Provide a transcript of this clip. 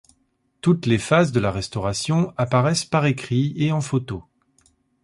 Toutes les phases de la restauration apparaissent par écrit et en photo.